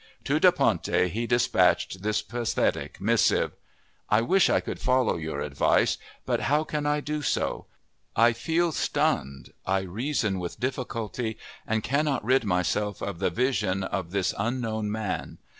To Da Ponte he dispatched this pathetic missive: "_I wish I could follow your advice, but how can I do so? I feel stunned, I reason with difficulty, and cannot rid myself of the vision of this unknown man.